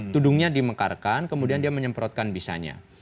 tudungnya dimekarkan kemudian dia menyemprotkan bisanya